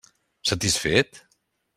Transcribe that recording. Satisfet?